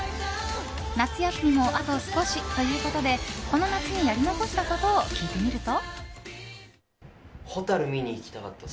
夏休みもあと少しということでこの夏にやり残したことを聞いてみると。